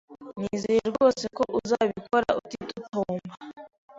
Nizeye rwose ko uzabikora utitotomba.